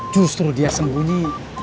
justru dia sembunyi